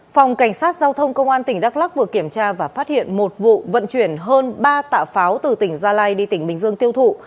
phòng cảnh sát giao thông công an tỉnh đắk lắc vừa kiểm tra và phát hiện một vụ vận chuyển hơn ba tạ pháo từ tỉnh gia lai đi tỉnh bình dương tiêu thụ